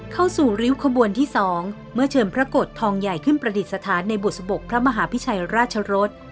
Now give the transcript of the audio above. เข้าสู่ริ้วขบวนที่๒เมื่อเชิญพระโกรธทองใหญ่ขึ้นประดิษฐานในบุษบกพระมหาพิชัยราชรส